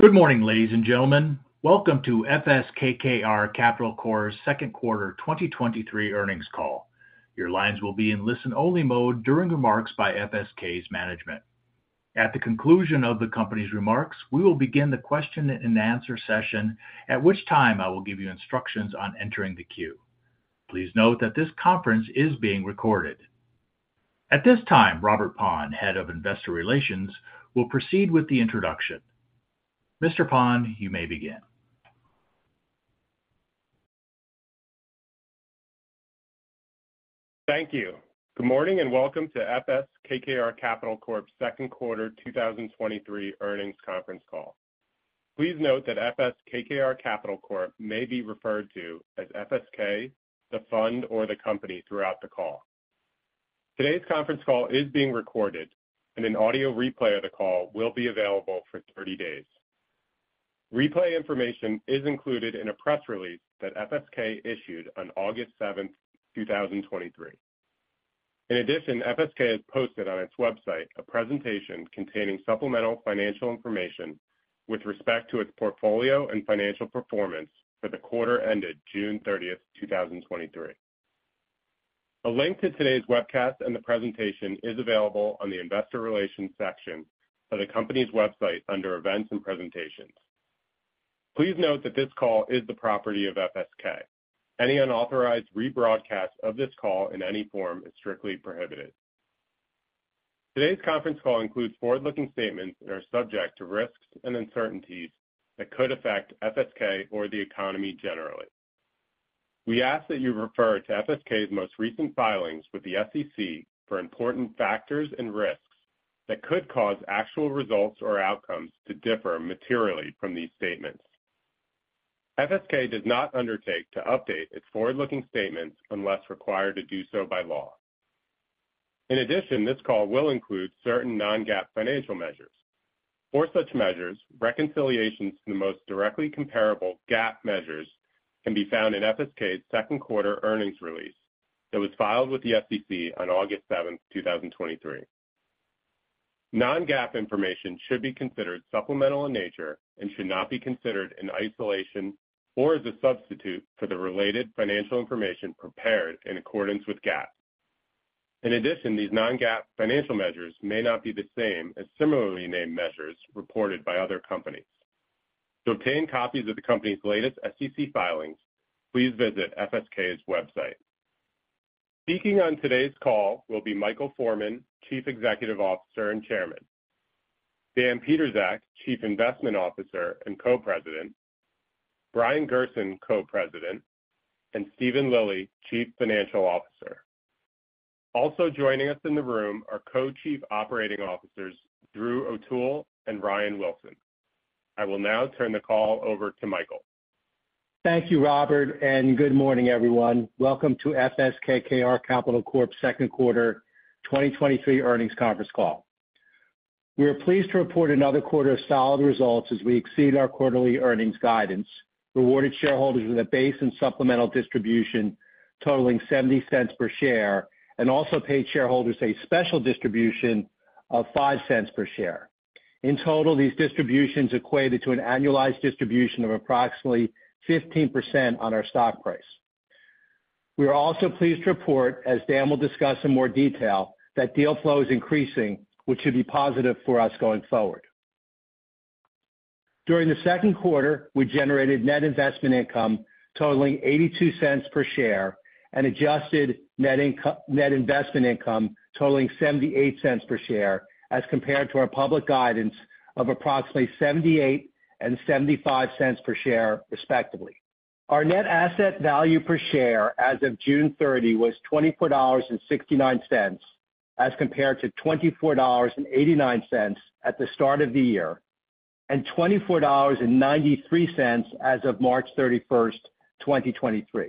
Good morning, ladies and gentlemen. Welcome to FS KKR Capital Corp.'s second quarter 2023 earnings call. Your lines will be in listen-only mode during remarks by FSK's management. At the conclusion of the company's remarks, we will begin the question and answer session, at which time I will give you instructions on entering the queue. Please note that this conference is being recorded. At this time, Robert Pond, Head of Investor Relations, will proceed with the introduction. Mr. Pond, you may begin. Thank you. Good morning, and welcome to FS KKR Capital Corp.'s second quarter 2023 earnings conference call. Please note that FS KKR Capital Corp. may be referred to as FSK, the Fund, or the Company throughout the call. Today's conference call is being recorded, and an audio replay of the call will be available for 30 days. Replay information is included in a press release that FSK issued on August 7th, 2023. In addition, FSK has posted on its website a presentation containing supplemental financial information with respect to its portfolio and financial performance for the quarter ended June 30th, 2023. A link to today's webcast and the presentation is available on the Investor Relations section of the company's website under Events and Presentations. Please note that this call is the property of FSK. Any unauthorized rebroadcast of this call in any form is strictly prohibited. Today's conference call includes forward-looking statements that are subject to risks and uncertainties that could affect FSK or the economy generally. We ask that you refer to FSK's most recent filings with the SEC for important factors and risks that could cause actual results or outcomes to differ materially from these statements. FSK does not undertake to update its forward-looking statements unless required to do so by law. In addition, this call will include certain non-GAAP financial measures. For such measures, reconciliations to the most directly comparable GAAP measures can be found in FSK's second quarter earnings release that was filed with the SEC on August 7th, 2023. Non-GAAP information should be considered supplemental in nature and should not be considered in isolation or as a substitute for the related financial information prepared in accordance with GAAP. In addition, these non-GAAP financial measures may not be the same as similarly named measures reported by other companies. To obtain copies of the company's latest SEC filings, please visit FSK's website. Speaking on today's call will be Michael Forman, Chief Executive Officer and Chairman; Dan Pietrzak, Chief Investment Officer and Co-President; Brian Gerson, Co-President; and Steven Lilly, Chief Financial Officer. Also joining us in the room are Co-Chief Operating Officers Drew O'Toole and Ryan Wilson. I will now turn the call over to Michael. Thank you, Robert, and good morning, everyone. Welcome to FS KKR Capital Corp.'s second quarter 2023 earnings conference call. We are pleased to report another quarter of solid results as we exceed our quarterly earnings guidance, rewarded shareholders with a base and supplemental distribution totaling $0.70 per share, and also paid shareholders a special distribution of $0.05 per share. In total, these distributions equated to an annualized distribution of approximately 15% on our stock price. We are also pleased to report, as Dan will discuss in more detail, that deal flow is increasing, which should be positive for us going forward. During the second quarter, we generated net investment income totaling $0.82 per share and adjusted net investment income totaling $0.78 per share, as compared to our public guidance of approximately $0.78 and $0.75 per share, respectively. Our net asset value per share as of June 30 was $24.69, as compared to $24.89 at the start of the year, and $24.93 as of March 31st, 2023.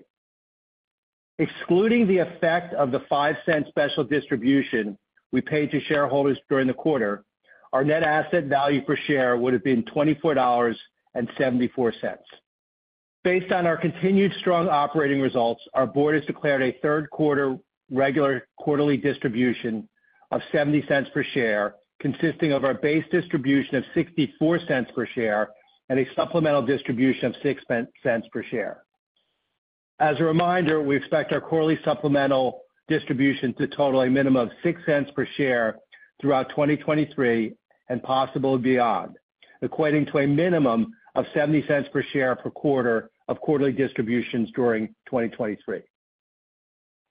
Excluding the effect of the $0.05 special distribution we paid to shareholders during the quarter, our net asset value per share would have been $24.74. Based on our continued strong operating results, our board has declared a third-quarter regular quarterly distribution of $0.70 per share, consisting of our base distribution of $0.64 per share and a supplemental distribution of $0.06 per share. As a reminder, we expect our quarterly supplemental distribution to total a minimum of $0.06 per share throughout 2023 and possible beyond, equating to a minimum of $0.70 per share per quarter of quarterly distributions during 2023.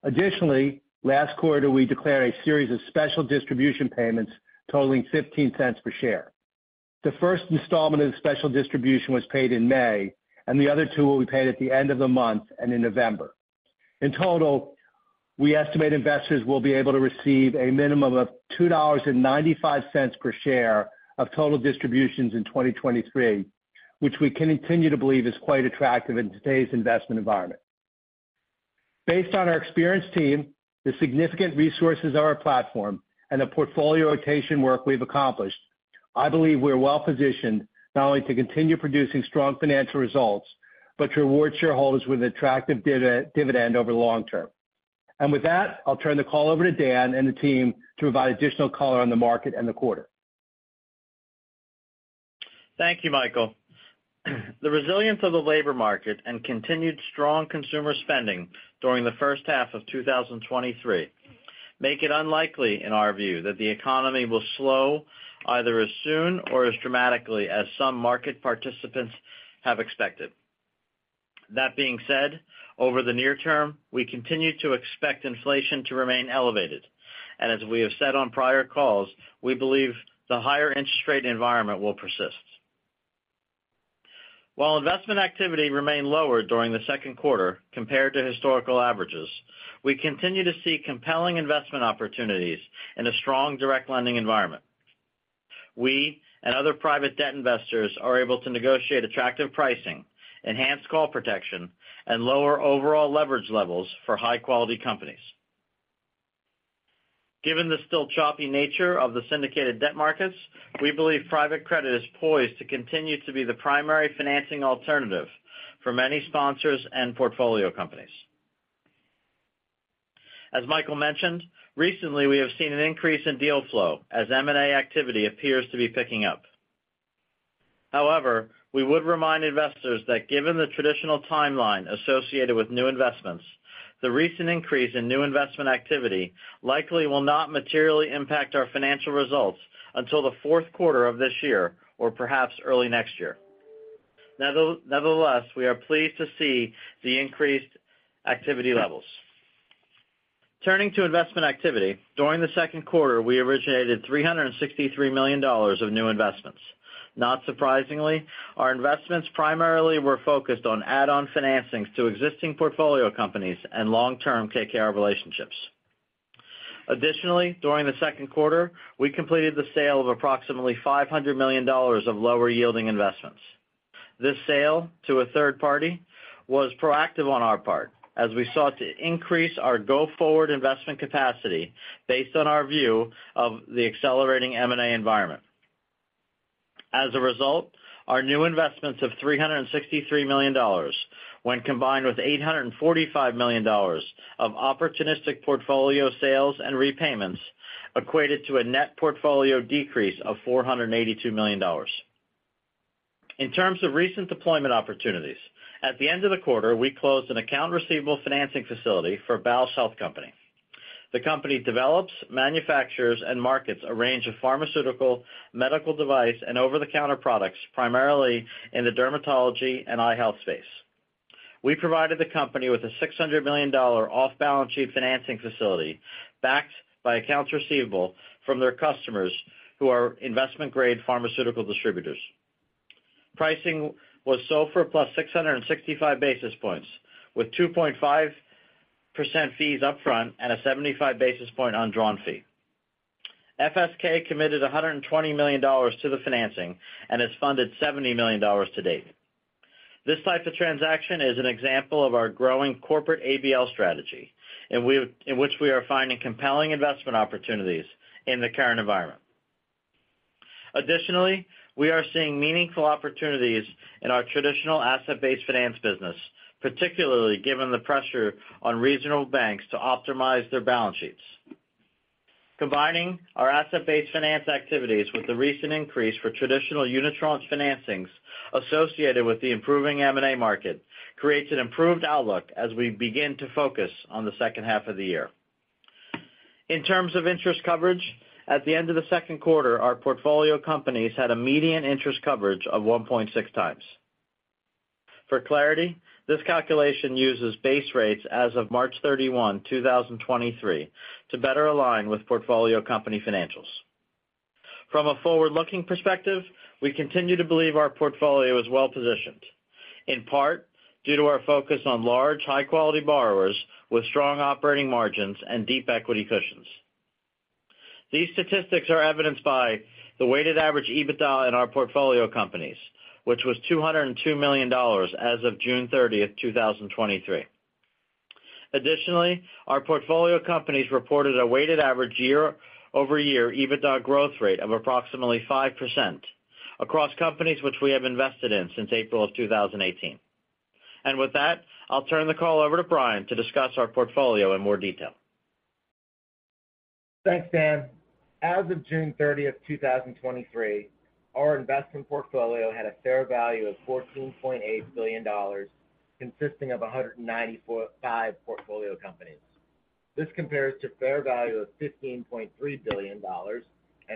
Additionally, last quarter, we declared a series of special distribution payments totaling $0.15 per share. The first installment of the special distribution was paid in May, and the other two will be paid at the end of the month and in November. In total, we estimate investors will be able to receive a minimum of $2.95 per share of total distributions in 2023, which we continue to believe is quite attractive in today's investment environment. Based on our experienced team, the significant resources on our platform, and the portfolio rotation work we've accomplished, I believe we are well-positioned not only to continue producing strong financial results but to reward shareholders with an attractive dividend over the long term. With that, I'll turn the call over to Dan and the team to provide additional color on the market and the quarter. Thank you, Michael. The resilience of the labor market and continued strong consumer spending during the first half of 2023, make it unlikely, in our view, that the economy will slow either as soon or as dramatically as some market participants have expected. That being said, over the near term, we continue to expect inflation to remain elevated, and as we have said on prior calls, we believe the higher interest rate environment will persist. While investment activity remained lower during the second quarter compared to historical averages, we continue to see compelling investment opportunities in a strong direct lending environment. We and other private debt investors are able to negotiate attractive pricing, enhanced call protection, and lower overall leverage levels for high-quality companies. Given the still choppy nature of the syndicated debt markets, we believe private credit is poised to continue to be the primary financing alternative for many sponsors and portfolio companies. As Michael mentioned, recently, we have seen an increase in deal flow as M&A activity appears to be picking up. However, we would remind investors that given the traditional timeline associated with new investments, the recent increase in new investment activity likely will not materially impact our financial results until the fourth quarter of this year or perhaps early next year. Nevertheless, we are pleased to see the increased activity levels. Turning to investment activity, during the second quarter, we originated $363 million of new investments. Not surprisingly, our investments primarily were focused on add-on financings to existing portfolio companies and long-term KKR relationships. Additionally, during the second quarter, we completed the sale of approximately $500 million of lower-yielding investments. This sale to a third party was proactive on our part as we sought to increase our go-forward investment capacity based on our view of the accelerating M&A environment. As a result, our new investments of $363 million, when combined with $845 million of opportunistic portfolio sales and repayments, equated to a net portfolio decrease of $482 million. In terms of recent deployment opportunities, at the end of the quarter, we closed an account receivable financing facility for Bausch Health Companies. The company develops, manufactures, and markets a range of pharmaceutical, medical device, and over-the-counter products, primarily in the dermatology and eye health space. We provided the company with a $600 million off-balance sheet financing facility, backed by accounts receivable from their customers, who are investment-grade pharmaceutical distributors. Pricing was SOFR plus 665 basis points, with 2.5% fees upfront and a 75 basis point undrawn fee. FSK committed $120 million to the financing and has funded $70 million to date. This type of transaction is an example of our growing corporate ABL strategy, in which we are finding compelling investment opportunities in the current environment. Additionally, we are seeing meaningful opportunities in our traditional asset-based finance business, particularly given the pressure on regional banks to optimize their balance sheets. Combining our asset-based finance activities with the recent increase for traditional Unitranche financings associated with the improving M&A market, creates an improved outlook as we begin to focus on the second half of the year. In terms of interest coverage, at the end of the second quarter, our portfolio companies had a median interest coverage of 1.6x. For clarity, this calculation uses base rates as of March 31, 2023, to better align with portfolio company financials. From a forward-looking perspective, we continue to believe our portfolio is well-positioned, in part due to our focus on large, high-quality borrowers with strong operating margins and deep equity cushions. These statistics are evidenced by the weighted average EBITDA in our portfolio companies, which was $202 million as of June 30th, 2023. Additionally, our portfolio companies reported a weighted average year-over-year EBITDA growth rate of approximately 5% across companies which we have invested in since April of 2018. With that, I'll turn the call over to Brian to discuss our portfolio in more detail. Thanks, Dan. As of June 30th, 2023, our investment portfolio had a fair value of $14.8 billion, consisting of 195 portfolio companies. This compares to fair value of $15.3 billion and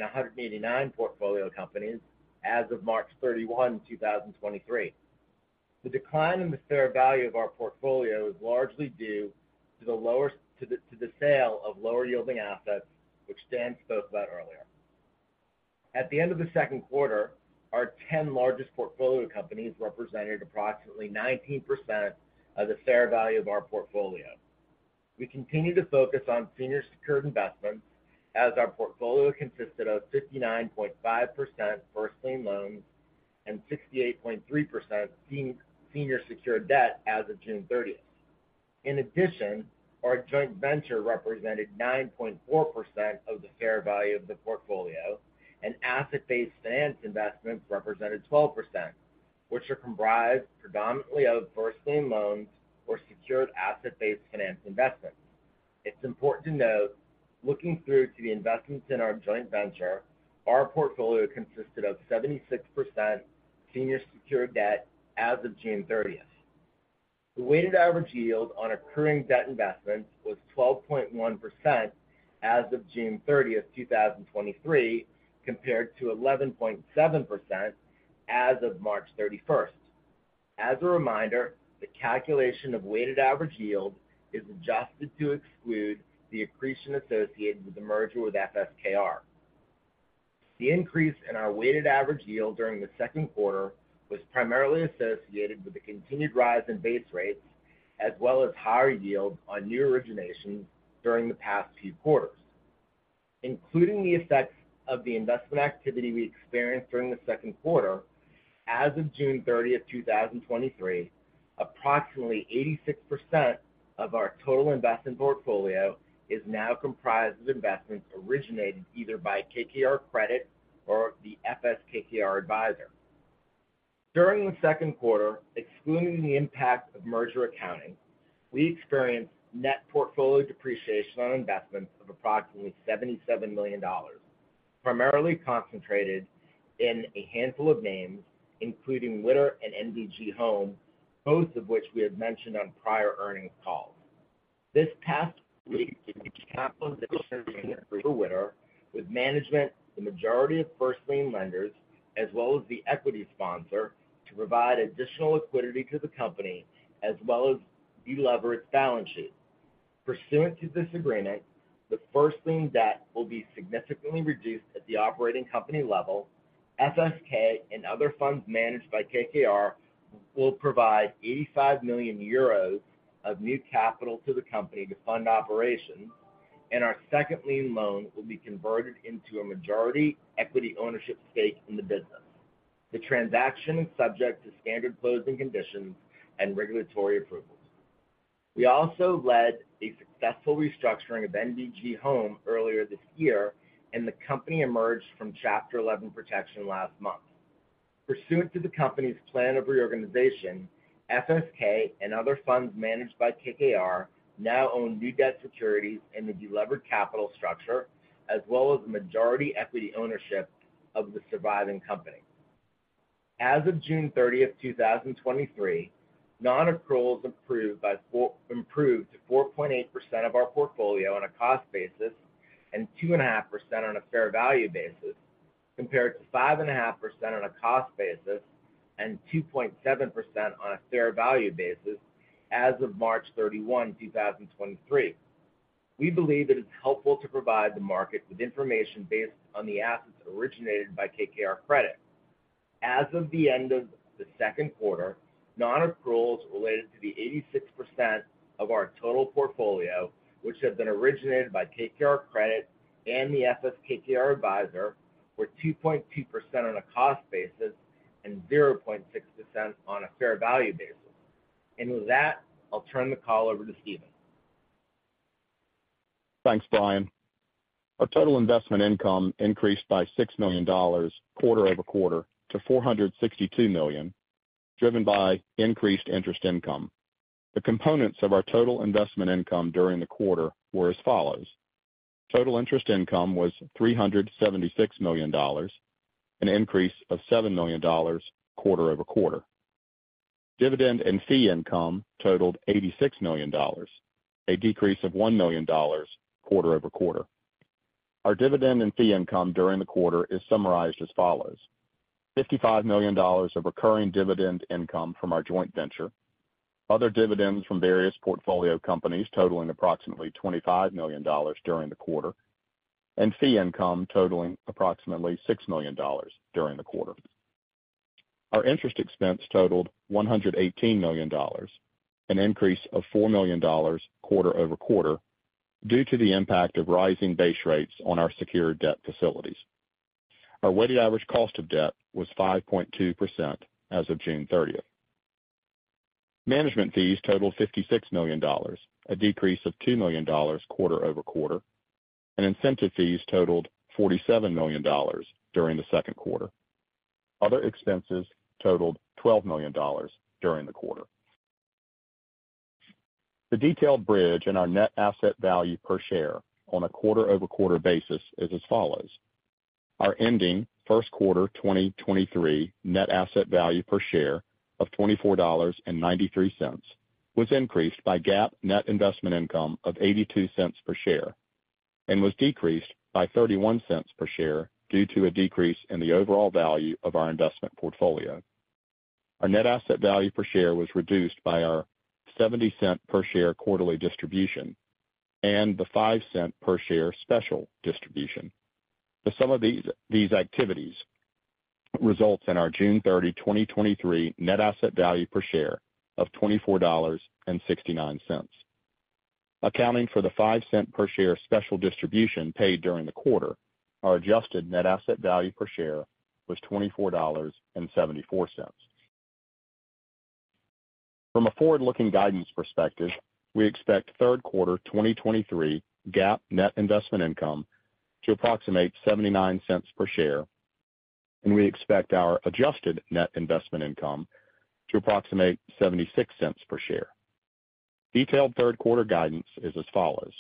189 portfolio companies as of March 31, 2023. The decline in the fair value of our portfolio is largely due to the sale of lower-yielding assets, which Dan spoke about earlier. At the end of the second quarter, our 10 largest portfolio companies represented approximately 19% of the fair value of our portfolio. We continue to focus on senior secured investments, as our portfolio consisted of 59.5% first lien loans and 68.3% senior, senior secured debt as of June 30. In addition, our joint venture represented 9.4% of the fair value of the portfolio, and asset-based finance investments represented 12% which are comprised predominantly of first lien loans or secured asset-based finance investments. It's important to note, looking through to the investments in our joint venture, our portfolio consisted of 76% senior secured debt as of June 30th. The weighted average yield on accruing debt investments was 12.1% as of June 30th, 2023, compared to 11.7% as of March 31st. As a reminder, the calculation of weighted average yield is adjusted to exclude the accretion associated with the merger with FSKR. The increase in our weighted average yield during the second quarter was primarily associated with the continued rise in base rates, as well as higher yields on new originations during the past few quarters. Including the effects of the investment activity we experienced during the second quarter, as of June 30, 2023, approximately 86% of our total investment portfolio is now comprised of investments originated either by KKR Credit or the FSKR advisor. During the second quarter, excluding the impact of merger accounting, we experienced net portfolio depreciation on investments of approximately $77 million, primarily concentrated in a handful of names, including Witter and NBG Home, both of which we had mentioned on prior earnings calls. This past week, we reached capital for the Witter, with management, the majority of first lien lenders, as well as the equity sponsor, to provide additional liquidity to the company, as well as de-lever its balance sheet. Pursuant to this agreement, the first lien debt will be significantly reduced at the operating company level. FSK and other funds managed by KKR will provide 85 million euros of new capital to the company to fund operations. Our second lien loan will be converted into a majority equity ownership stake in the business. The transaction is subject to standard closing conditions and regulatory approvals. We also led a successful restructuring of NBG Home earlier this year. The company emerged from Chapter 11 protection last month. Pursuant to the company's plan of reorganization, FSK and other funds managed by KKR now own new debt securities in the delevered capital structure, as well as majority equity ownership of the surviving company. As of June 30th, 2023, nonaccruals improved to 4.8% of our portfolio on a cost basis, and 2.5% on a fair value basis, compared to 5.5% on a cost basis and 2.7% on a fair value basis as of March 31, 2023. We believe it is helpful to provide the market with information based on the assets originated by KKR Credit. As of the end of the second quarter, nonaccruals related to the 86% of our total portfolio, which have been originated by KKR Credit and the FSKR advisor, were 2.2% on a cost basis and 0.6% on a fair value basis. With that, I'll turn the call over to Steven. Thanks, Brian. Our total investment income increased by $6 million quarter-over-quarter to $462 million, driven by increased interest income. The components of our total investment income during the quarter were as follows: Total interest income was $376 million, an increase of $7 million quarter-over-quarter. Dividend and fee income totaled $86 million, a decrease of $1 million quarter-over-quarter. Our dividend and fee income during the quarter is summarized as follows: $55 million of recurring dividend income from our joint venture, other dividends from various portfolio companies totaling approximately $25 million during the quarter, and fee income totaling approximately $6 million during the quarter. Our interest expense totaled $118 million, an increase of $4 million quarter-over-quarter, due to the impact of rising base rates on our secured debt facilities. Our weighted average cost of debt was 5.2% as of June 30th. Management fees totaled $56 million, a decrease of $2 million quarter-over-quarter. Incentive fees totaled $47 million during the second quarter. Other expenses totaled $12 million during the quarter. The detailed bridge in our net asset value per share on a quarter-over-quarter basis is as follows: Our ending first quarter 2023 net asset value per share of $24.93 was increased by GAAP net investment income of $0.82 per share and was decreased by $0.31 per share due to a decrease in the overall value of our investment portfolio. Our net asset value per share was reduced by our $0.70 per share quarterly distribution and the $0.05 per share special distribution. The sum of these activities results in our June 30, 2023 net asset value per share of $24.69. Accounting for the $0.05 per share special distribution paid during the quarter, our adjusted net asset value per share was $24.74. From a forward-looking guidance perspective, we expect third quarter 2023 GAAP net investment income to approximate $0.79 per share. We expect our adjusted net investment income to approximate $0.76 per share. Detailed third quarter guidance is as follows: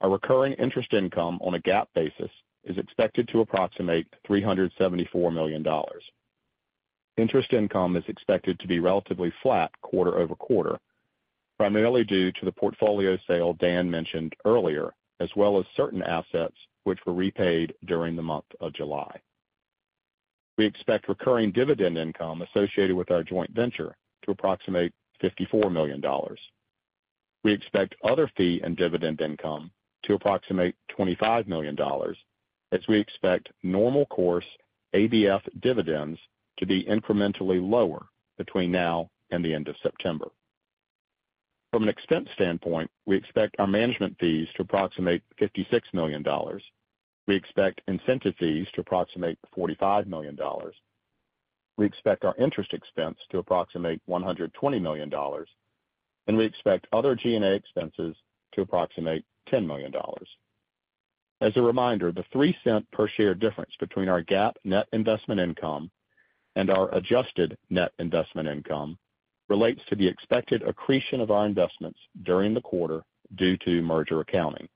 Our recurring interest income on a GAAP basis is expected to approximate $374 million. Interest income is expected to be relatively flat quarter-over-quarter, primarily due to the portfolio sale Dan mentioned earlier, as well as certain assets which were repaid during the month of July. We expect recurring dividend income associated with our joint venture to approximate $54 million. We expect other fee and dividend income to approximate $25 million, as we expect normal course ABF dividends to be incrementally lower between now and the end of September. From an expense standpoint, we expect our management fees to approximate $56 million. We expect incentive fees to approximate $45 million. We expect our interest expense to approximate $120 million, and we expect other G&A expenses to approximate $10 million. As a reminder, the $0.03 per share difference between our GAAP net investment income and our adjusted net investment income relates to the expected accretion of our investments during the quarter due to merger accounting.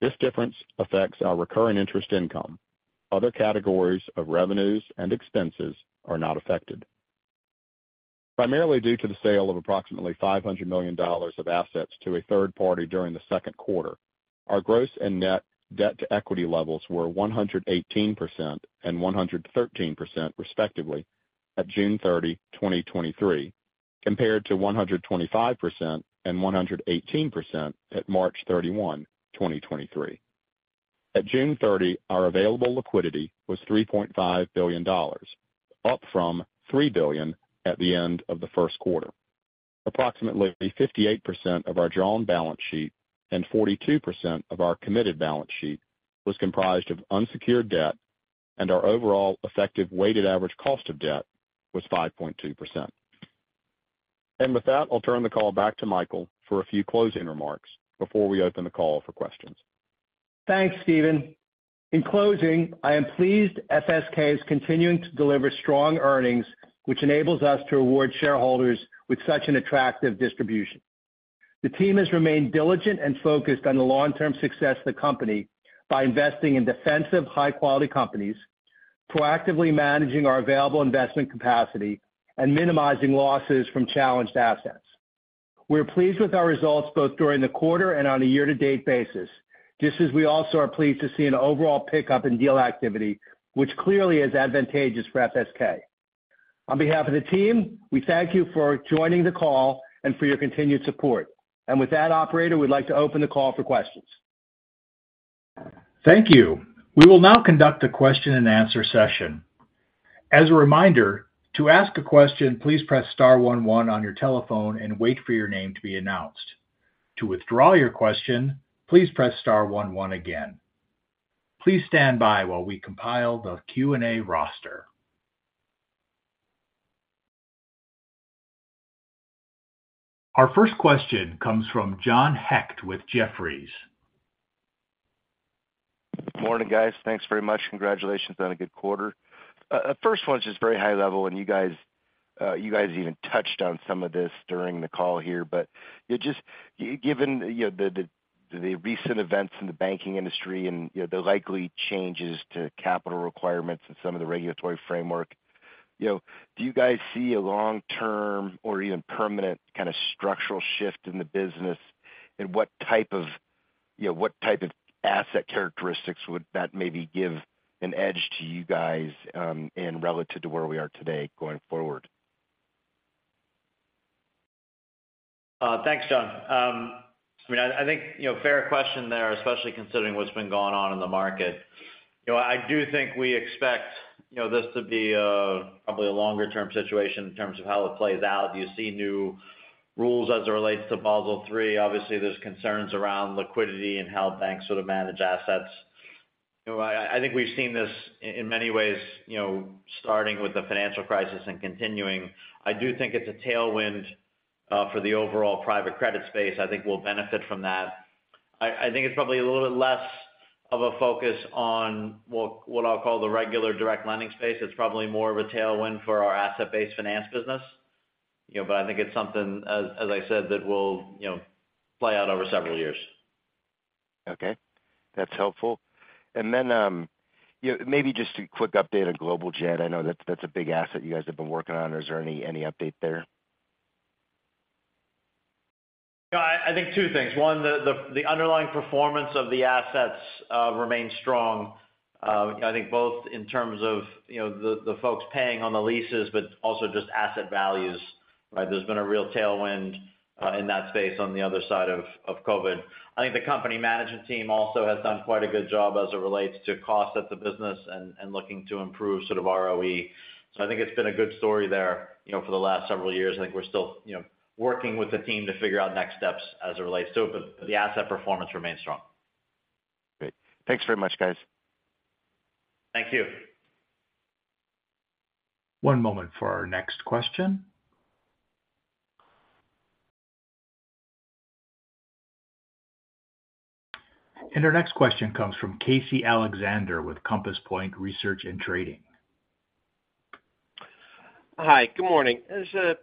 This difference affects our recurring interest income. Other categories of revenues and expenses are not affected. Primarily due to the sale of approximately $500 million of assets to a third party during the second quarter, our gross and net debt to equity levels were 118% and 113%, respectively, at June 30, 2023, compared to 125% and 118% at March 31, 2023. At June 30, our available liquidity was $3.5 billion, up from $3 billion at the end of the first quarter. Approximately 58% of our drawn balance sheet and 42% of our committed balance sheet was comprised of unsecured debt. Our overall effective weighted average cost of debt was 5.2%. With that, I'll turn the call back to Michael for a few closing remarks before we open the call for questions. Thanks, Steven. In closing, I am pleased FSK is continuing to deliver strong earnings, which enables us to reward shareholders with such an attractive distribution. The team has remained diligent and focused on the long-term success of the company by investing in defensive, high-quality companies, proactively managing our available investment capacity, and minimizing losses from challenged assets. We are pleased with our results both during the quarter and on a year-to-date basis, just as we also are pleased to see an overall pickup in deal activity, which clearly is advantageous for FSK. On behalf of the team, we thank you for joining the call and for your continued support. With that, operator, we'd like to open the call for questions. Thank you. We will now conduct a question-and-answer session. As a reminder, to ask a question, please press Star One, One on your telephone and wait for your name to be announced. To withdraw your question, please press Star One, One again. Please stand by while we compile the Q&A roster. Our first question comes from John Hecht with Jefferies. Morning, guys. Thanks very much. Congratulations on a good quarter. First one is just very high level, and you guys, you guys even touched on some of this during the call here. Yeah, just given, you know, the, the, the recent events in the banking industry and, you know, the likely changes to capital requirements and some of the regulatory framework, you know, do you guys see a long-term or even permanent kind of structural shift in the business? What type of, you know, what type of asset characteristics would that maybe give an edge to you guys, and relative to where we are today going forward? Thanks, John. I mean, I, I think, you know, fair question there, especially considering what's been going on in the market. You know, I do think we expect, you know, this to be probably a longer-term situation in terms of how it plays out. You see new rules as it relates to Basel III. Obviously, there's concerns around liquidity and how banks sort of manage assets. You know, I, I think we've seen this in many ways, you know, starting with the financial crisis and continuing. I do think it's a tailwind for the overall private credit space. I think we'll benefit from that. I, I think it's probably a little bit less of a focus on what, what I'll call the regular direct lending space. It's probably more of a tailwind for our asset-based finance business, you know, but I think it's something, as, as I said, that will, you know, play out over several years. Okay. That's helpful. Then, you know, maybe just a quick update on Global Jet. I know that's, that's a big asset you guys have been working on. Is there any, any update there? No, I think two things. One, the underlying performance of the assets remains strong, I think both in terms of, you know, the folks paying on the leases, but also just asset values, right? There's been a real tailwind in that space on the other side of COVID. I think the company management team also has done quite a good job as it relates to cost of the business and looking to improve sort of ROE. I think it's been a good story there, you know, for the last several years. I think we're still, you know, working with the team to figure out next steps as it relates to it, but the asset performance remains strong. Great. Thanks very much, guys. Thank you. One moment for our next question. Our next question comes from Casey Alexander with Compass Point Research and Trading. Hi, good morning. I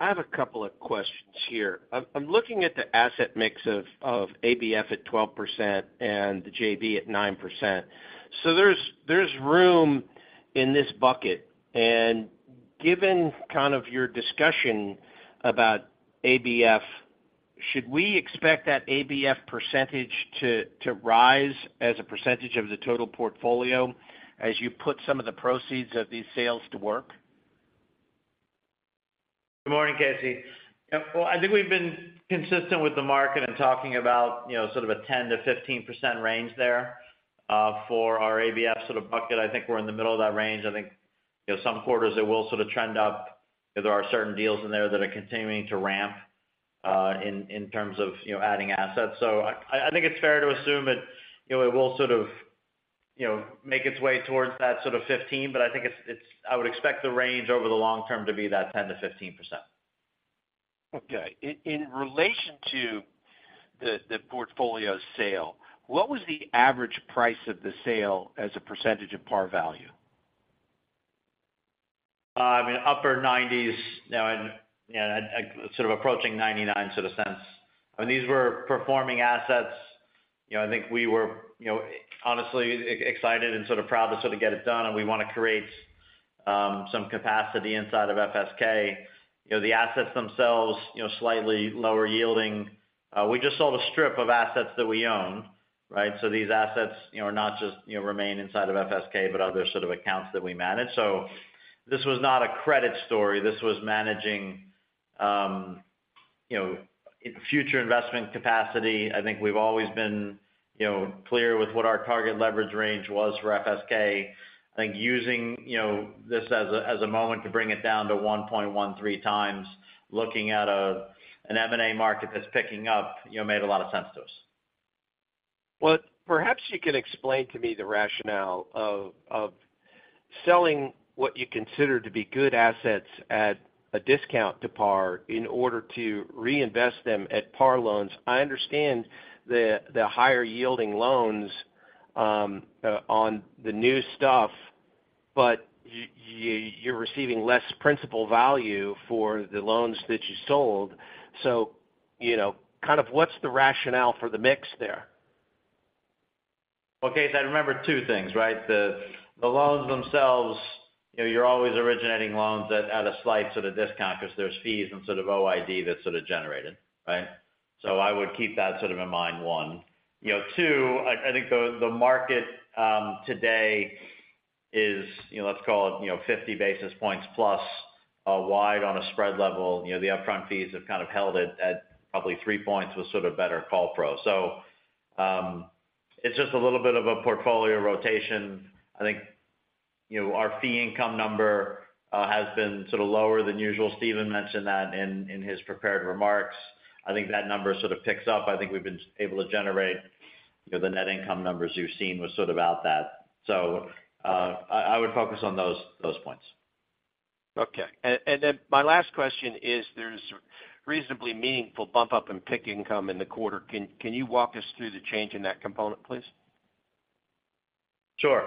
have a couple of questions here. I'm looking at the asset mix of ABF at 12% and the JB at 9%. There's, there's room in this bucket, and given kind of your discussion about ABF, should we expect that ABF percentage to rise as a percentage of the total portfolio as you put some of the proceeds of these sales to work? Good morning, Casey. Well, I think we've been consistent with the market in talking about, you know, sort of a 10%-15% range there, for our ABF sort of bucket. I think we're in the middle of that range. I think, you know, some quarters it will sort of trend up, because there are certain deals in there that are continuing to ramp, in, in terms of, you know, adding assets. I think it's fair to assume that, you know, it will sort of, you know, make its way towards that sort of 15, but I think it's, I would expect the range over the long term to be that 10%-15%. Okay. In relation to the portfolio sale, what was the average price of the sale as a percentage of par value? I mean, upper 90s. You know, yeah, sort of approaching $0.99. I mean, these were performing assets. You know, I think we were, you know, honestly excited and sort of proud to sort of get it done, and we want to create some capacity inside of FSK. You know, the assets themselves, you know, slightly lower yielding. We just sold a strip of assets that we own, right? These assets, you know, are not just, you know, remain inside of FSK, but other sort of accounts that we manage. This was not a credit story. This was managing, you know, future investment capacity. I think we've always been, you know, clear with what our target leverage range was for FSK. I think using, you know, this as a moment to bring it down to 1.13x, looking at an M&A market that's picking up, you know, made a lot of sense to us. Well, perhaps you can explain to me the rationale of selling what you consider to be good assets at a discount to par in order to reinvest them at par loans. I understand the higher yielding loans on the new stuff, but you're receiving less principal value for the loans that you sold. You know, kind of what's the rationale for the mix there? Well, Casey, I'd remember two things, right? The, the loans themselves, you know, you're always originating loans at, at a slight sort of discount because there's fees and sort of OID that's sort of generated, right? I would keep that sort of in mind, one. You know, two, I, I think the, the market today is, you know, let's call it, you know, 50 basis points plus wide on a spread level. You know, the upfront fees have kind of held it at probably three points with sort of better call pro. It's just a little bit of a portfolio rotation. I think, you know, our fee income number has been sort of lower than usual. Steven Lilly mentioned that in, in his prepared remarks. I think that number sort of picks up. I think we've been able to generate, you know, the net income numbers you've seen was sort of about that. I, I would focus on those, those points. Okay. Then my last question is, there's reasonably meaningful bump up in PIK income in the quarter. Can you walk us through the change in that component, please? Sure.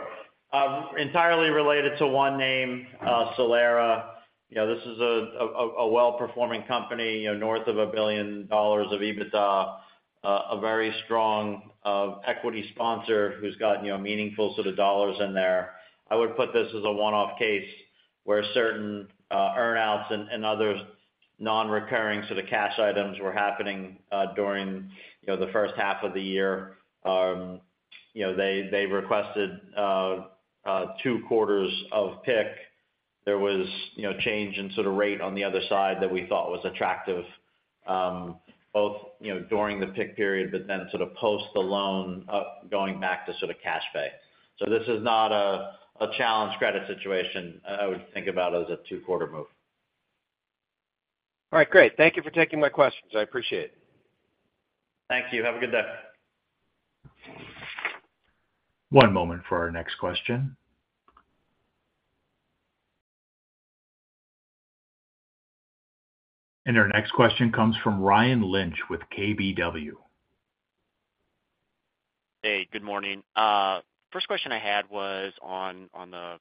Entirely related to one name, Solera. You know, this is a well-performing company, you know, north of $1 billion of EBITDA. A very strong equity sponsor who's got, you know, meaningful sort of dollars in there. I would put this as a one-off case, where certain earn-outs and other nonrecurring sort of cash items were happening during, you know, the first half of the year. You know, they requested two quarters of PIK. There was, you know, change in sort of rate on the other side that we thought was attractive, both, you know, during the PIK period, but then sort of post the loan, going back to sort of cash pay. This is not a challenged credit situation. I would think about it as a two-quarter move. All right, great. Thank you for taking my questions. I appreciate it. Thank you. Have a good day. One moment for our next question. Our next question comes from Ryan Lynch with KBW. Hey, good morning. First question I had was on the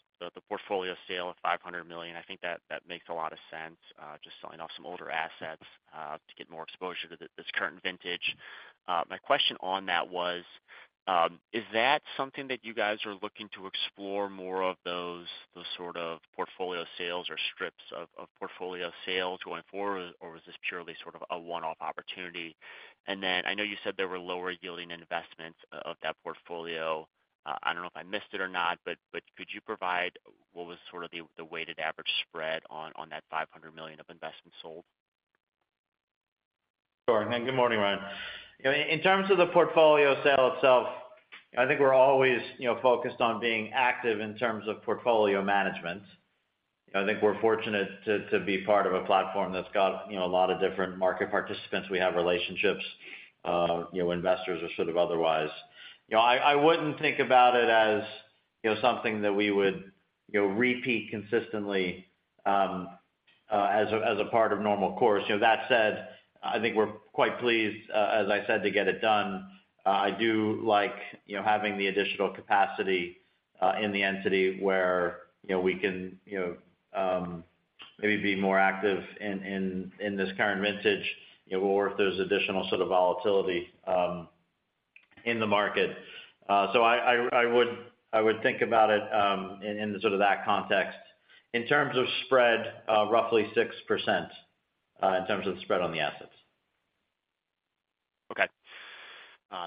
portfolio sale of $500 million. I think that makes a lot of sense, just selling off some older assets, to get more exposure to this current vintage. My question on that was, is that something that you guys are looking to explore more of those sort of portfolio sales or strips of portfolio sales going forward, or is this purely sort of a one-off opportunity? I know you said there were lower yielding investments of that portfolio. I don't know if I missed it or not, but could you provide what was sort of the weighted average spread on that $500 million of investments sold? Sure. Good morning, Ryan. You know, in terms of the portfolio sale itself, I think we're always, you know, focused on being active in terms of portfolio management. I think we're fortunate to, to be part of a platform that's got, you know, a lot of different market participants. We have relationships, you know, investors or sort of otherwise. You know, I, I wouldn't think about it as, you know, something that we would, you know, repeat consistently, as a part of normal course. You know, that said, I think we're quite pleased, as I said, to get it done. I do like, you know, having the additional capacity in the entity where, you know, we can, you know, maybe be more active in, in, in this current vintage, you know, or if there's additional sort of volatility in the market. I would, I would think about it in, in sort of that context. In terms of spread, roughly 6% in terms of the spread on the assets. Okay.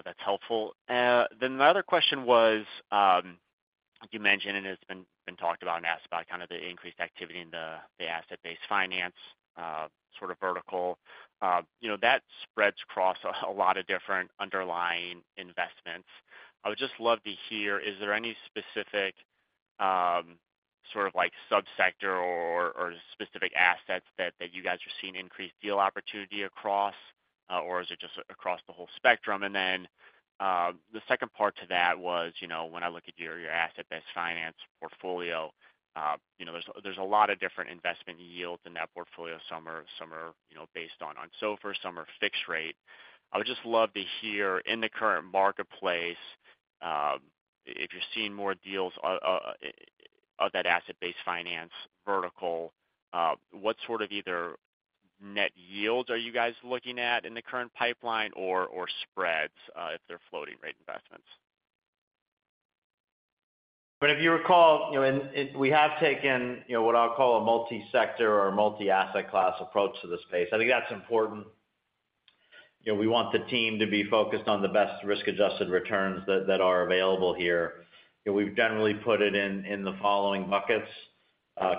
That's helpful. My other question was, you mentioned, and it's been, been talked about and asked about kind of the increased activity in the asset-based finance, sort of vertical. You know, that spreads across a lot of different underlying investments. I would just love to hear, is there any specific, sort of like, subsector or specific assets that you guys are seeing increased deal opportunity across? Or is it just across the whole spectrum? The second part to that was, you know, when I look at your asset-based finance portfolio, you know, there's a lot of different investment yields in that portfolio. Some are, you know, based on SOFR, some are fixed rate. I would just love to hear, in the current marketplace, if you're seeing more deals on of that asset-based finance vertical, what sort of either net yields are you guys looking at in the current pipeline or, or spreads, if they're floating rate investments? If you recall, you know, and we have taken, you know, what I'll call a multi-sector or multi-asset class approach to the space. I think that's important. You know, we want the team to be focused on the best risk-adjusted returns that, that are available here. You know, we've generally put it in, in the following buckets: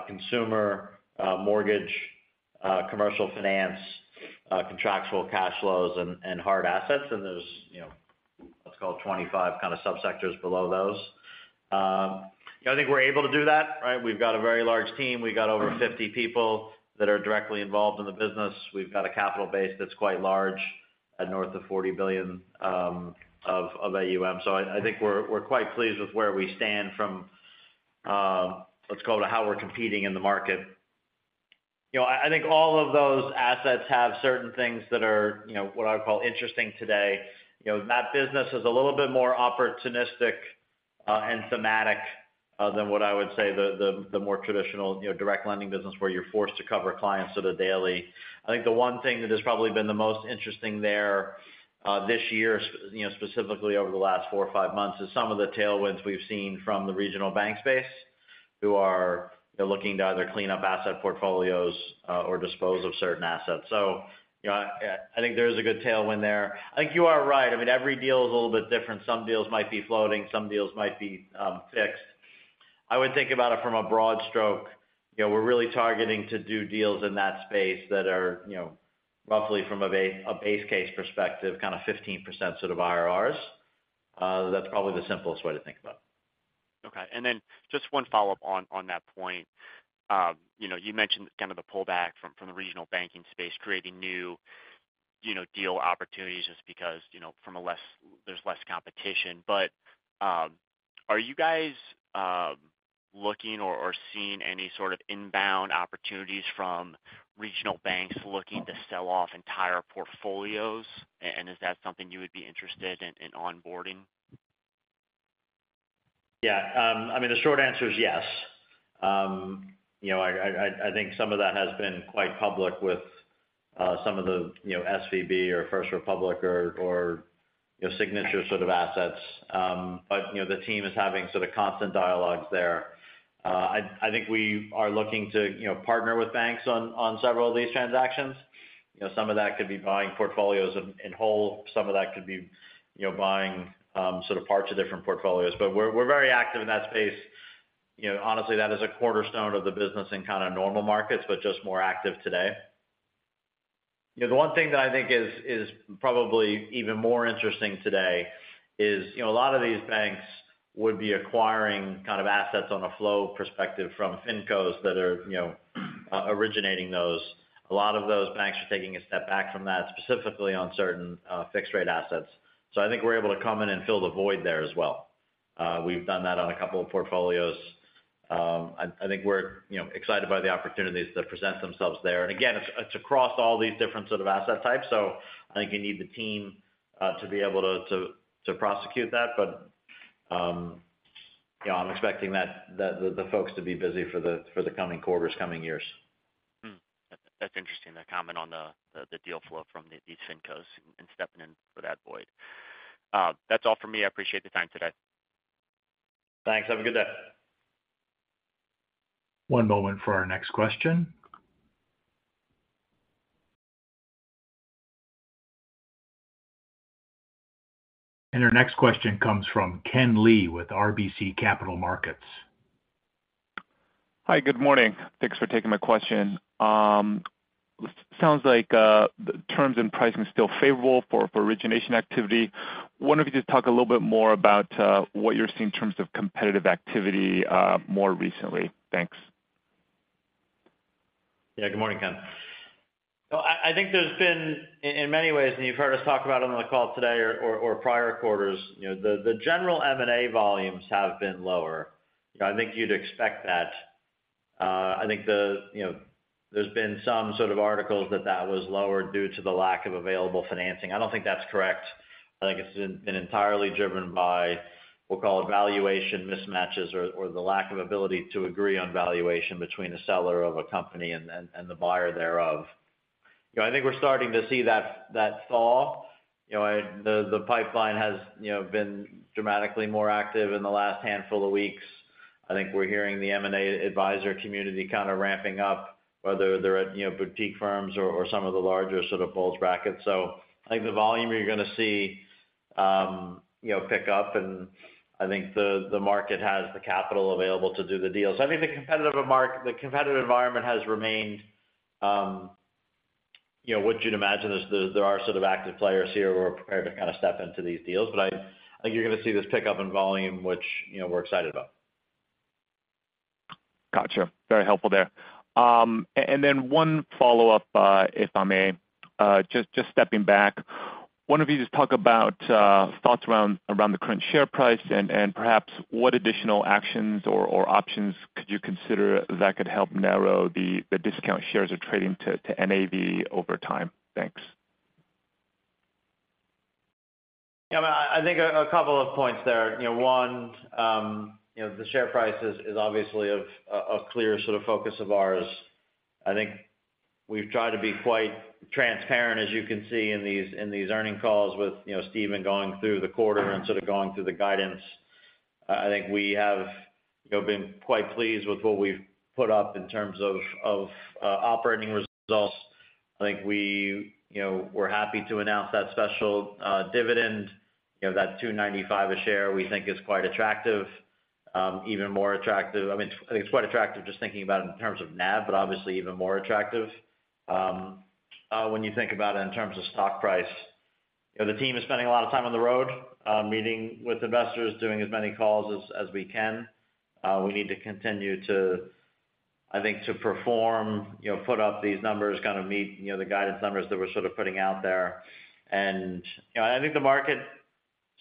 consumer, mortgage, commercial finance, contractual cash flows, and, and hard assets. There's, you know, let's call it 25 kind of subsectors below those. I think we're able to do that, right? We've got a very large team. We got over 50 people that are directly involved in the business. We've got a capital base that's quite large, at north of $40 billion of AUM. I, I think we're, we're quite pleased with where we stand from, let's call it, how we're competing in the market. You know, I, I think all of those assets have certain things that are, you know, what I would call interesting today. You know, that business is a little bit more opportunistic and thematic than what I would say the, the, the more traditional, you know, direct lending business, where you're forced to cover clients sort of daily. I think the one thing that has probably been the most interesting there, this year, you know, specifically over the last four or five months, is some of the tailwinds we've seen from the regional bank space, who are, they're looking to either clean up asset portfolios or dispose of certain assets. You know, I think there is a good tailwind there. I think you are right. I mean, every deal is a little bit different. Some deals might be floating, some deals might be fixed. I would think about it from a broad stroke. You know, we're really targeting to do deals in that space that are, you know, roughly from a base case perspective, kind of 15% sort of IRRs. That's probably the simplest way to think about it. Okay. Just one follow-up on that point. You know, you mentioned kind of the pullback from the regional banking space, creating new, you know, deal opportunities just because, you know, there's less competition. Are you guys looking or seeing any sort of inbound opportunities from regional banks looking to sell off entire portfolios? Is that something you would be interested in, in onboarding? Yeah. I mean, the short answer is yes. You know, I think some of that has been quite public with some of the, you know, SVB or First Republic or, or, you know, Signature sort of assets. You know, the team is having sort of constant dialogues there. I, I think we are looking to, you know, partner with banks on several of these transactions. You know, some of that could be buying portfolios in whole, some of that could be, you know, buying sort of parts of different portfolios. We're, we're very active in that space. You know, honestly, that is a cornerstone of the business in kind of normal markets, but just more active today. You know, the one thing that I think is, is probably even more interesting today is, you know, a lot of these banks would be acquiring kind of assets on a flow perspective from Fincos that are, you know, originating those. A lot of those banks are taking a step back from that, specifically on certain fixed rate assets. I think we're able to come in and fill the void there as well. We've done that on a couple of portfolios. I, I think we're, you know, excited by the opportunities that present themselves there. Again, it's, it's across all these different sort of asset types, so I think you need the team to be able to, to, to prosecute that. You know, I'm expecting that, the, the folks to be busy for the, for the coming quarters, coming years. That's, that's interesting, the comment on the, the deal flow from the, these Fincos and stepping in for that void. That's all for me. I appreciate the time today. Thanks. Have a good day. One moment for our next question. Our next question comes from Kenneth Lee with RBC Capital Markets. Hi, good morning. Thanks for taking my question. Sounds like the terms and pricing is still favorable for, for origination activity. Wonder if you could just talk a little bit more about what you're seeing in terms of competitive activity, more recently? Thanks. Yeah, good morning, Ken. I, I think there's been, in many ways, and you've heard us talk about on the call today or, or prior quarters, you know, the, the general M&A volumes have been lower. You know, I think you'd expect that. I think the, you know, there's been some sort of articles that, that was lower due to the lack of available financing. I don't think that's correct. I think it's been, been entirely driven by, we'll call it, valuation mismatches or, or the lack of ability to agree on valuation between the seller of a company and, and, and the buyer thereof. You know, I think we're starting to see that thaw. You know, the, the pipeline has, you know, been dramatically more active in the last handful of weeks. I think we're hearing the M&A advisor community kind of ramping up, whether they're at, you know, boutique firms or, or some of the larger sort of bulge brackets. I think the volume, you're gonna see, you know, pick up, and I think the, the market has the capital available to do the deals. I think the competitive market, the competitive environment has remained, you know, would you'd imagine, as there are sort of active players here who are prepared to kind of step into these deals. I, I think you're gonna see this pick up in volume, which, you know, we're excited about. Gotcha. Very helpful there. Then one follow-up, if I may. Stepping back, wonder if you could just talk about thoughts around the current share price and perhaps what additional actions or options could you consider that could help narrow the discount shares of trading to NAV over time? Thanks. Yeah, I think a couple of points there. You know, one, you know, the share price is obviously of a clear sort of focus of ours. I think we've tried to be quite transparent, as you can see in these, in these earning calls with, you know, Steven going through the quarter and sort of going through the guidance. I think we have, you know, been quite pleased with what we've put up in terms of operating results. I think we, you know, we're happy to announce that special dividend. You know, that $2.95 a share, we think is quite attractive, even more attractive. I mean, I think it's quite attractive just thinking about it in terms of NAV, but obviously even more attractive, when you think about it in terms of stock price. You know, the team is spending a lot of time on the road, meeting with investors, doing as many calls as, as we can. We need to continue to, I think, to perform, you know, put up these numbers, kind of meet, you know, the guidance numbers that we're sort of putting out there. You know, I think the market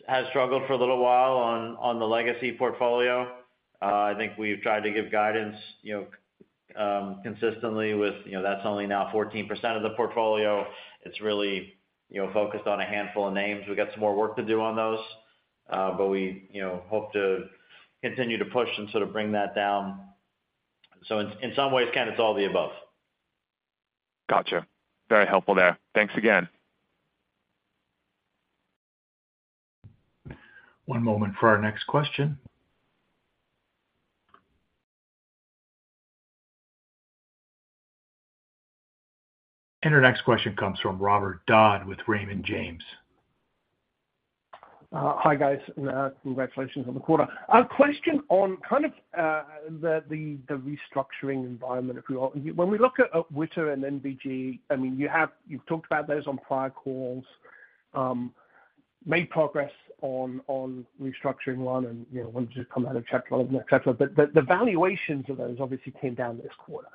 has struggled for a little while on, on the legacy portfolio. I think we've tried to give guidance, you know, consistently with, you know, that's only now 14% of the portfolio. It's really, you know, focused on a handful of names. We've got some more work to do on those, but we, you know, hope to continue to push and sort of bring that down. In, in some ways, kind of it's all the above. Gotcha. Very helpful there. Thanks again. One moment for our next question. Our next question comes from Robert Dodd with Raymond James. Hi, guys, and congratulations on the quarter. A question on kind of the restructuring environment, if you will. When we look at Wintec and NBG, I mean, you've talked about those on prior calls. Made progress on restructuring one and, you know, one just come out of Chapter 11, et cetera. The valuations of those obviously came down this quarter.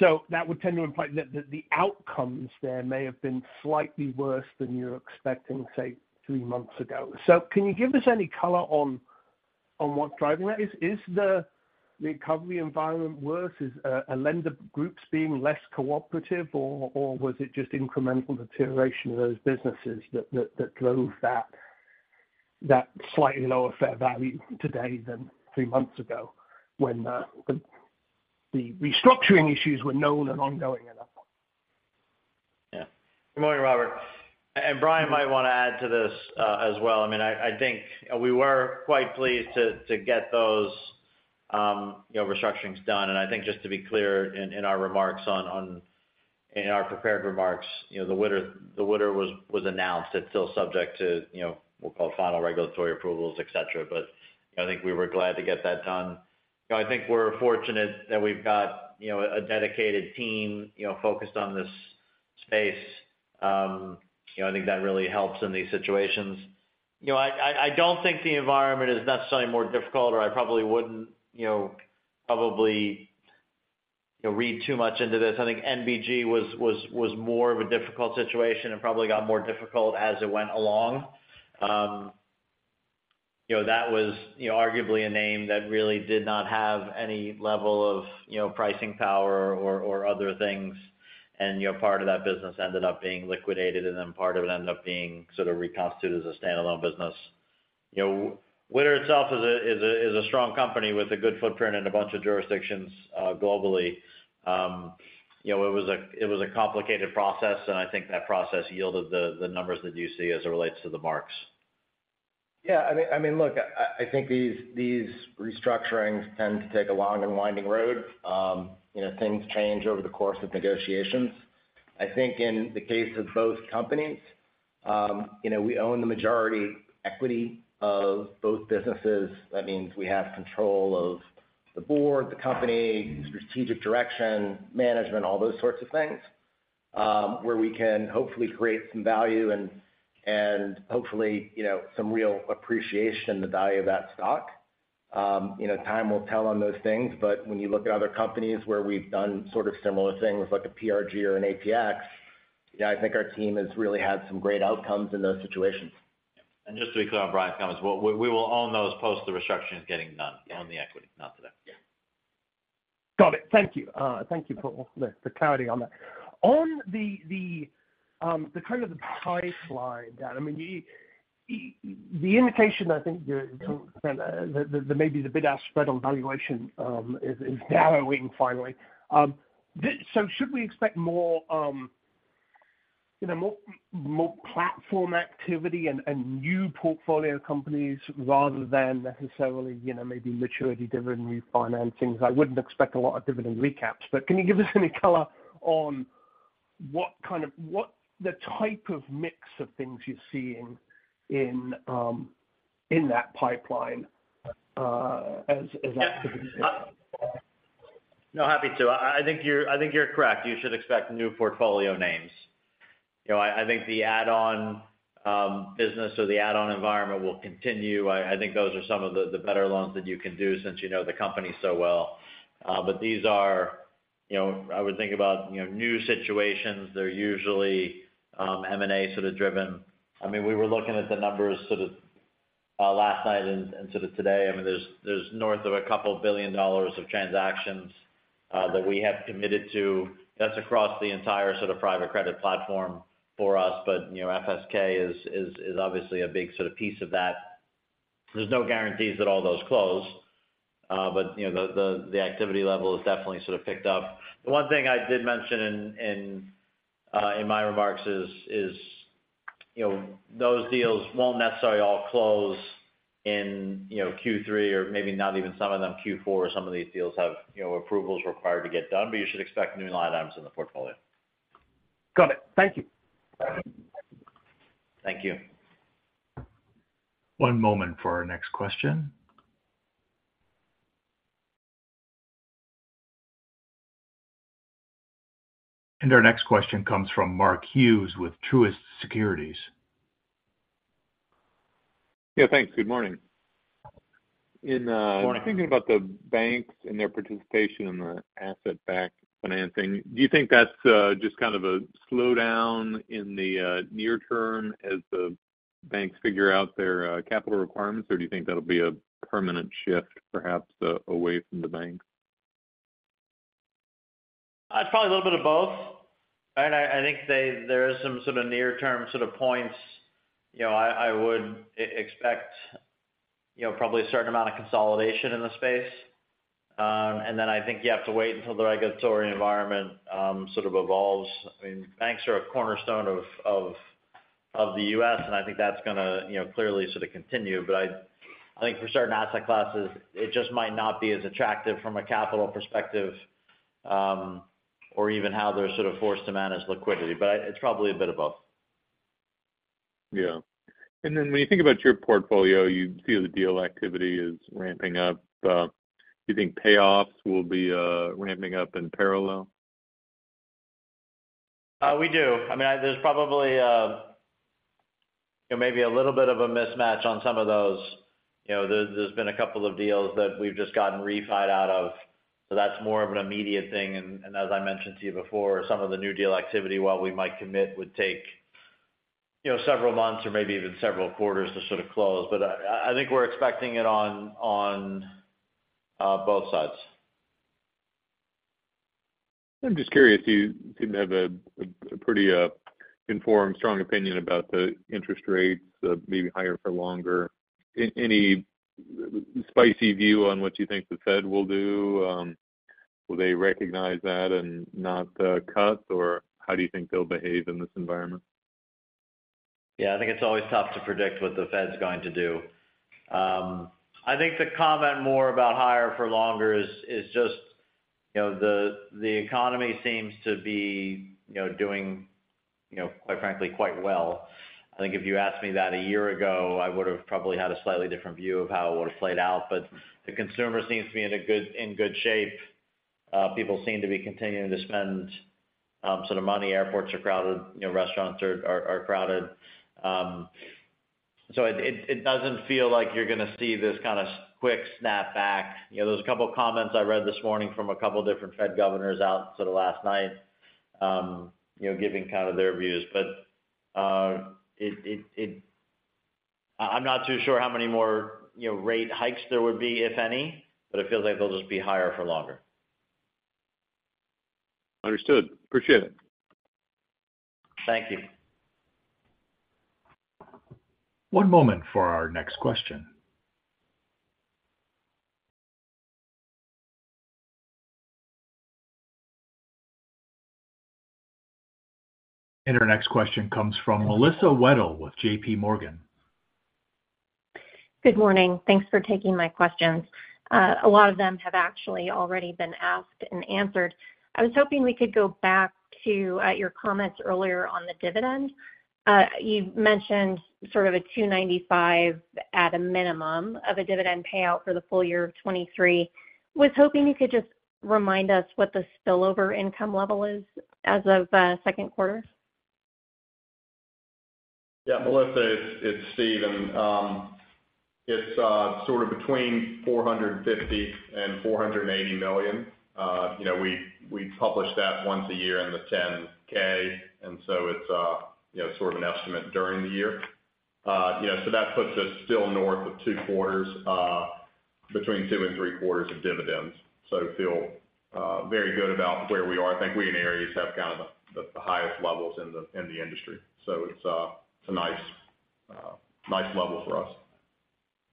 That would tend to imply that the outcomes there may have been slightly worse than you were expecting, say, three months ago. Can you give us any color on what's driving that? Is the recovery environment worse? Is, a lender groups being less cooperative, or, or was it just incremental deterioration of those businesses that, that, that drove that, that slightly lower fair value today than three months ago, when, the, the restructuring issues were known and ongoing at that point? Yeah. Good morning, Robert. Brian might want to add to this as well. I mean, I, I think we were quite pleased to get those, you know, restructurings done. I think just to be clear in our remarks in our prepared remarks, you know, the Witter, the Witter was announced. It's still subject to, you know, we'll call final regulatory approvals, et cetera, but I think we were glad to get that done. You know, I think we're fortunate that we've got, you know, a dedicated team, you know, focused on this space. You know, I think that really helps in these situations. You know, I, I, I don't think the environment is necessarily more difficult, or I probably wouldn't, you know, probably, you know, read too much into this. I think NBG was, was, was more of a difficult situation and probably got more difficult as it went along. You know, that was, you know, arguably a name that really did not have any level of, you know, pricing power or, or other things. You know, part of that business ended up being liquidated, and then part of it ended up being sort of reconstituted as a standalone business. You know, Wintec itself is a, is a strong company with a good footprint in a bunch of jurisdictions, globally. You know, it was a complicated process, and I think that process yielded the, the numbers that you see as it relates to the marks. Yeah, I mean, look, I, think these, these restructurings tend to take a long and winding road. You know, things change over the course of negotiations. I think in the case of both companies, you know, we own the majority equity of both businesses. That means we have control of the board, the company, strategic direction, management, all those sorts of things, where we can hopefully create some value and, and hopefully, you know, some real appreciation, the value of that stock. You know, time will tell on those things, but when you look at other companies where we've done sort of similar things, like a PRG or an APX, yeah, I think our team has really had some great outcomes in those situations. Just to be clear on Brian's comments, we, we will own those post the restructurings getting done, own the equity, not today. Yeah. Got it. Thank you. Thank you for the, the clarity on that. On the, the, the kind of the pie slide down, I mean, the indication, I think you're, that, that maybe the bid-ask spread on valuation, is, is narrowing finally. Should we expect more, you know, more, more platform activity and, and new portfolio companies, rather than necessarily, you know, maybe maturity dividend refinancings? I wouldn't expect a lot of dividend recaps, but can you give us any color on what the type of mix of things you're seeing in, in that pipeline, as, as activities? No, happy to. I think you're, I think you're correct. You should expect new portfolio names. You know, I, I think the add-on business or the add-on environment will continue. I, I think those are some of the better loans that you can do since you know the company so well. These are, you know, I would think about, you know, new situations. They're usually M&A sort of driven. I mean, we were looking at the numbers sort of last night and sort of today. I mean, there's, there's north of $2 billion of transactions that we have committed to. That's across the entire sort of private credit platform for us. You know, FSK is, is, is obviously a big sort of piece of that. There's no guarantees that all those close, but, you know, the, the, the activity level has definitely sort of picked up. The one thing I did mention in, in, in my remarks is, is, you know, those deals won't necessarily all close in, you know, Q3, or maybe not even some of them, Q4. Some of these deals have, you know, approvals required to get done, but you should expect new line items in the portfolio. Got it. Thank you. Thank you. One moment for our next question. Our next question comes from Mark Hughes with Truist Securities. Yeah, thanks. Good morning. Good morning. In thinking about the banks and their participation in the asset-backed financing, do you think that's just kind of a slowdown in the near term as the banks figure out their capital requirements? Or do you think that'll be a permanent shift, perhaps away from the banks? It's probably a little bit of both. I, I think there is some sort of near-term sort of points. You know, I, I would expect, you know, probably a certain amount of consolidation in the space. I think you have to wait until the regulatory environment, sort of evolves. I mean, banks are a cornerstone of, of, of the U.S., and I think that's gonna, you know, clearly sort of continue. I, I think for certain asset classes, it just might not be as attractive from a capital perspective, or even how they're sort of forced to manage liquidity. It's probably a bit of both. Yeah. Then when you think about your portfolio, you see the deal activity is ramping up. Do you think payoffs will be ramping up in parallel? We do. I mean, there's probably, you know, maybe a little bit of a mismatch on some of those. You know, there's, there's been a couple of deals that we've just gotten refied out of, so that's more of an immediate thing. As I mentioned to you before, some of the new deal activity, while we might commit, would take, you know, several months or maybe even several quarters to sort of close. I, I think we're expecting it on, on, both sides. I'm just curious, you seem to have a pretty, informed, strong opinion about the interest rates, maybe higher for longer. Any spicy view on what you think the Fed will do? Will they recognize that and not cut, or how do you think they'll behave in this environment? Yeah, I think it's always tough to predict what the Fed's going to do. I think the comment more about higher for longer is, is just, you know, the, the economy seems to be, you know, doing, you know, quite frankly, quite well. I think if you asked me that a year ago, I would have probably had a slightly different view of how it would have played out. The consumer seems to be in a good, in good shape. People seem to be continuing to spend, sort of money. Airports are crowded, you know, restaurants are crowded. It, it, it doesn't feel like you're gonna see this kind of quick snapback. You know, there was two comments I read this morning from two different Fed governors out sort of last night, you know, giving kind of their views. I'm not too sure how many more, you know, rate hikes there would be, if any, but it feels like they'll just be higher for longer. Understood. Appreciate it. Thank you. One moment for our next question. Our next question comes from Melissa Wedel with J.P. Morgan. Good morning. Thanks for taking my questions. A lot of them have actually already been asked and answered. I was hoping we could go back to your comments earlier on the dividend. You mentioned sort of a $2.95 at a minimum of a dividend payout for the full year of 2023. Was hoping you could just remind us what the spillover income level is as of second quarter? Yeah, Melissa, it's Steven. It's sort of between $450 million and $480 million. You know, we, we publish that once a year in the 10-K, and so it's, you know, sort of an estimate during the year. Yeah, that puts us still north of two quarters, between two and three quarters of dividends. Feel very good about where we are. I think we and Ares have kind of the, the highest levels in the industry. It's a nice, nice level for us.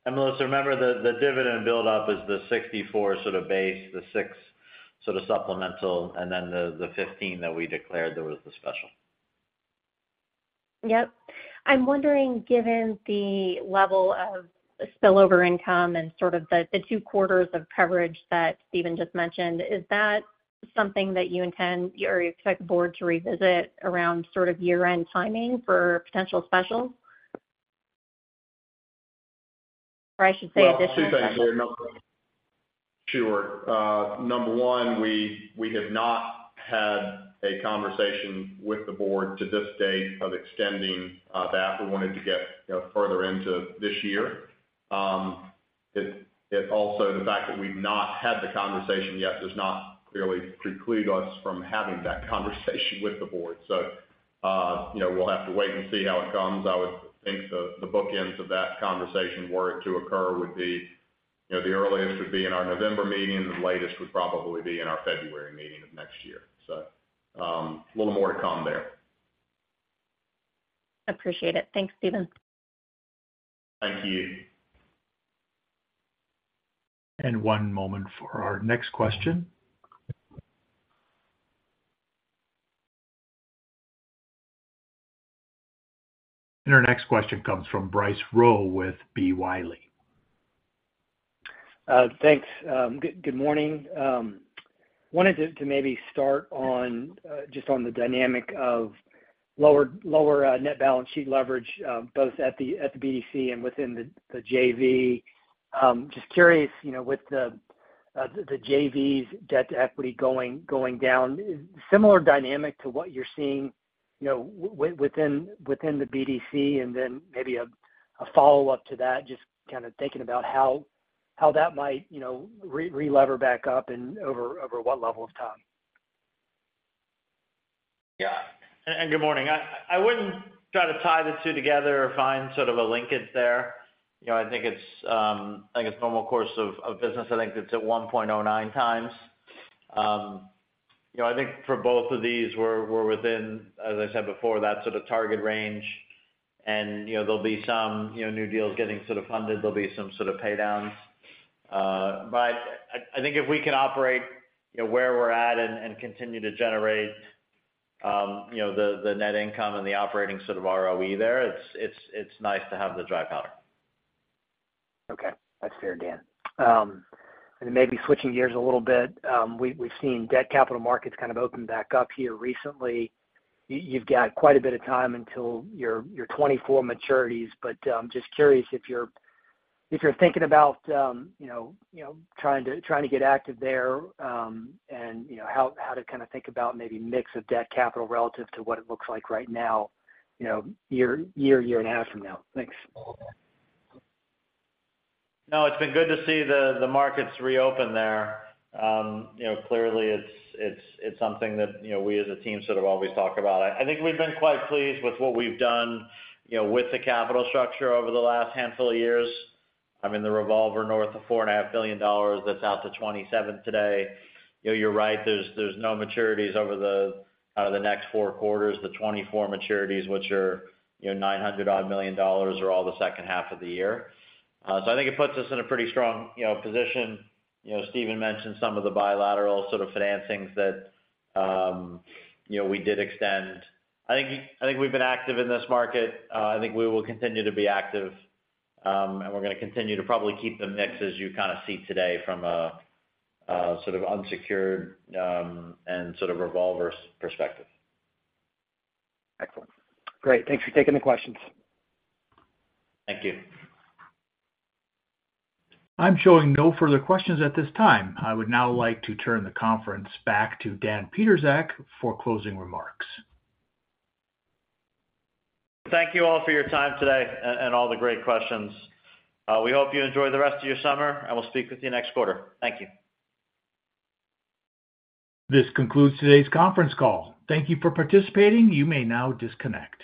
Melissa, remember, the, the dividend buildup is the $0.64 sort of base, the $0.06 sort of supplemental, and then the, the $0.15 that we declared there was the special. Yep. I'm wondering, given the level of spillover income and sort of the, the two quarters of coverage that Steven just mentioned, is that something that you intend or you expect the board to revisit around sort of year-end timing for potential specials? Or I should say additional- Sure. Number one, we, we have not had a conversation with the board to this date of extending that. We wanted to get, you know, further into this year. It, it also the fact that we've not had the conversation yet, does not clearly preclude us from having that conversation with the board. You know, we'll have to wait and see how it comes. I would think the, the bookends of that conversation, were it to occur, would be, you know, the earliest would be in our November meeting. The latest would probably be in our February meeting of next year. A little more to come there. Appreciate it. Thanks, Steven. Thank you. One moment for our next question. Our next question comes from Bryce Rowe with B. Riley. Thanks. Good, good morning. Wanted to maybe start on just on the dynamic of lower, lower net balance sheet leverage both at the BDC and within the JV. Just curious, you know, with the JV's debt to equity going, going down, similar dynamic to what you're seeing, you know, within the BDC, and then maybe a follow-up to that, just kind of thinking about how, how that might, you know, re-lever back up and over what level of time? Yeah. Good morning. I, I wouldn't try to tie the two together or find sort of a linkage there. You know, I think it's, I think it's normal course of, of business. I think it's at 1.09x. You know, I think for both of these, we're, we're within, as I said before, that sort of target range. You know, there'll be some, you know, new deals getting sort of funded, there'll be some sort of pay downs. I, I think if we can operate, you know, where we're at and, and continue to generate, you know, the, the net income and the operating sort of ROE there, it's, it's, it's nice to have the dry powder. Okay. That's fair, Dan. Maybe switching gears a little bit, we've seen debt capital markets kind of open back up here recently. You've got quite a bit of time until your 2024 maturities, just curious if you're thinking about, you know, you know, trying to get active there, you know, how to kind of think about maybe mix of debt capital relative to what it looks like right now, you know, year and a half from now? Thanks. No, it's been good to see the, the markets reopen there. You know, clearly, it's, it's, it's something that, you know, we as a team sort of always talk about. I, I think we've been quite pleased with what we've done, you know, with the capital structure over the last handful of years, in the revolver north of $4.5 billion. That's out to 2027 today. You know, you're right, there's, there's no maturities over the next four quarters. The 2024 maturities, which are, you know, $900 million, are all the second half of the year. I think it puts us in a pretty strong, you know, position. You know, Steven mentioned some of the bilateral sort of financings that, you know, we did extend. I think, I think we've been active in this market. I think we will continue to be active, and we're gonna continue to probably keep the mix as you kind of see today from a sort of unsecured, and sort of revolvers perspective. Excellent. Great. Thanks for taking the questions. Thank you. I'm showing no further questions at this time. I would now like to turn the conference back to Dan Pietrzak for closing remarks. Thank you all for your time today and all the great questions. We hope you enjoy the rest of your summer, and we'll speak with you next quarter. Thank you. This concludes today's conference call. Thank you for participating. You may now disconnect.